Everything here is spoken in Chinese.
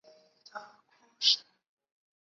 职业生涯主要效力车路士。